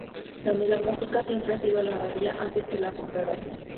La unidad básica siempre ha sido la abadía, antes que la congregación.